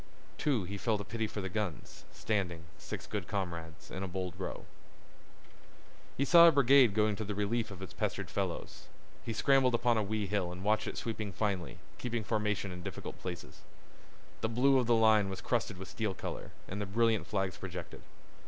Too, he felt a pity for the guns, standing, six good comrades, in a bold row. He saw a brigade going to the relief of its pestered fellows. He scrambled upon a wee hill and watched it sweeping finely, keeping formation in difficult places. The blue of the line was crusted with steel color, and the brilliant flags projected.